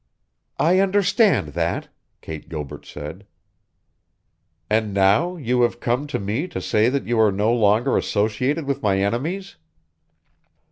"I understand that," Kate Gilbert said. "And now you have come to me to say that you are no longer associated with my enemies?"